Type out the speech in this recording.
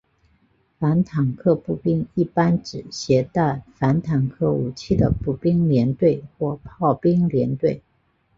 反坦克步兵一般指携带反坦克武器的步兵连队或炮兵连队。